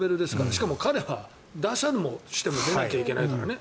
しかも、彼は打者もしてる出なきゃいけないからね。